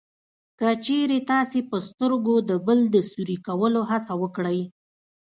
که چېرې تاسې په سترګو د بل د سوري کولو هڅه وکړئ